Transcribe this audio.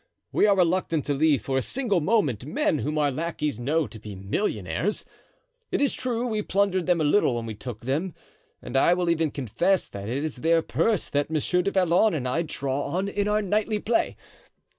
We are reluctant to leave for a single moment men whom our lackeys know to be millionaires. It is true we plundered them a little when we took them, and I will even confess that it is their purse that Monsieur du Vallon and I draw on in our nightly play.